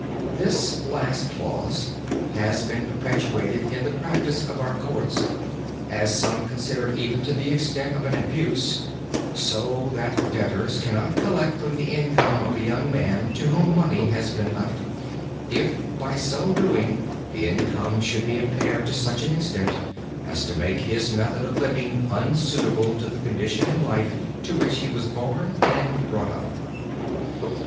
This last clause has been perpetuated in the practice of our courts, as some consider even to the extent of an abuse, so that debtors cannot collect from the income of a young man to whom money has been left, if by so doing the income should be impaired to such an extent as to make his method of living unsuitable to the condition in life to which he was born and brought up.